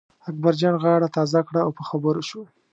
اکبرجان غاړه تازه کړه او په خبرو شو.